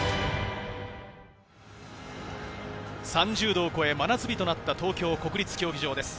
３０度を超え、真夏日となった東京国立競技場です。